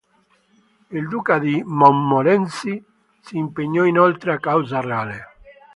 Il duca di Montmorency si impegnò inoltre a causa reale.